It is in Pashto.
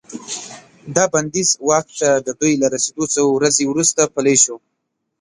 دا بندیز واک ته د دوی له رسیدو څو ورځې وروسته پلی شو.